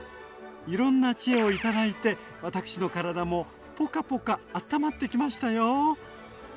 いろんな知恵を頂いて私の体もポカポカあったまってきましたよ！